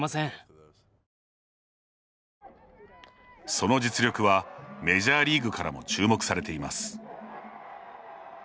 その実力はメジャーリーグからも注目されています。